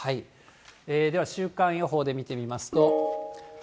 では、週間予報で見てみますと。